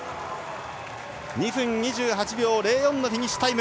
２分２８秒０４のフィニッシュタイム。